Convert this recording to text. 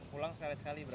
pulang sekali sekali berarti